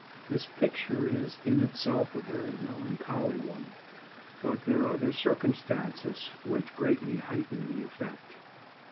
"This picture is in itself a very melancholy one, but there are other circumstances which greatly heighten the effect.